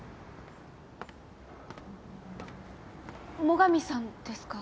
最上さんですか？